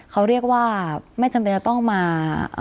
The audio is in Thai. เขาเรียกว่าไม่จำเป็นจะต้องมา